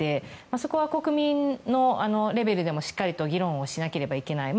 そこは国民レベルでもしっかりと議論をしなければいけない。